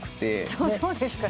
そうですか？